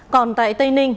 còn tại tây ninh